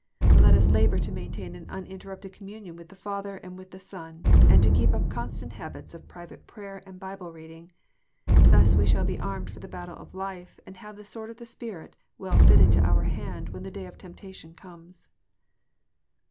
Let us labour to maintain an uninterrupted communion with the Father and with the Son, and to keep up constant habits of private prayer and Bible reading. Thus we shall be armed for the battle of life, and have the sword of the Spirit well fitted to our hand when the day of temptation comes.